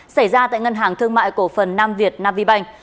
xảy ra tại ngân hàng thương mại cổ phần nam việt nam vy bành